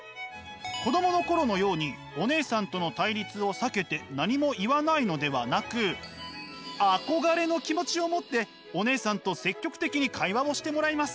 子どもの頃のようにお姉さんとの対立を避けて何も言わないのではなく憧れの気持ちを持ってお姉さんと積極的に会話をしてもらいます。